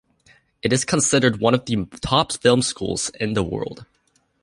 It is considered one of the top film schools in the world.